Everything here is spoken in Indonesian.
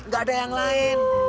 gak ada yang lain